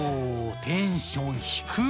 テンション低っ！